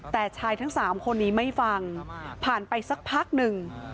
แต่ชายทั้ง๓คนนี้ไม่ฟังผ่านไปสักพักหนึ่ง